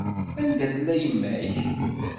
Anda tella yemma-k?